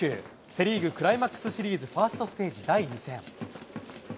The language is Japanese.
セ・リーグクライマックスシリーズファーストステージ第２戦。